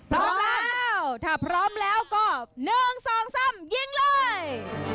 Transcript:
พร้อมแล้วถ้าพร้อมแล้วก็๑๒๓ยิงเลย